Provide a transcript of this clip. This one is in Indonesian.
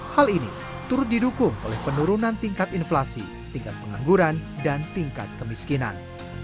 hal ini turut didukung oleh penurunan tingkat inflasi tingkat pengangguran dan tingkat kemiskinan